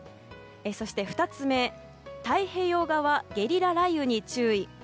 そして、２つ目太平洋側、ゲリラ雷雨に注意。